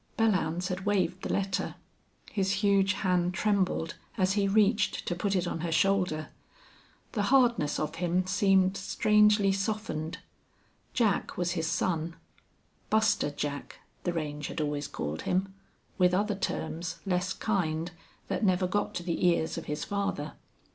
Belllounds had waved the letter. His huge hand trembled as he reached to put it on her shoulder. The hardness of him seemed strangely softened. Jack was his son. Buster Jack, the range had always called him, with other terms, less kind, that never got to the ears of his father.